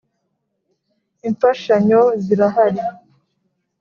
Imfashanyo zirahari.